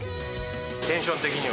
テンション的には？